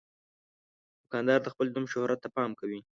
دوکاندار د خپل نوم شهرت ته پام کوي.